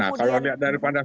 nah kalau lihat dari pandang